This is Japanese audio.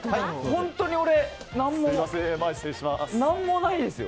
本当に俺、何もないですよ